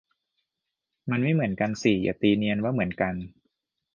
มันไม่เหมือนกันสิ อย่าตีเนียนว่าเหมือนกัน